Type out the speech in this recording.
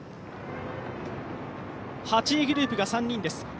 ８位グループが３人です。